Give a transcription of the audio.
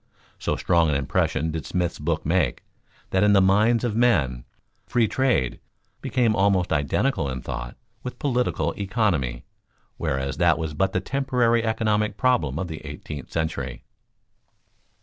So strong an impression did Smith's book make, that in the minds of men "free trade" became almost identical in thought with political economy, whereas that was but the temporary economic problem of the eighteenth century.